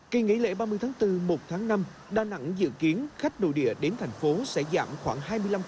kỳ nghỉ lễ ba mươi tháng bốn một tháng năm đà nẵng dự kiến khách nội địa đến thành phố sẽ giảm khoảng hai mươi năm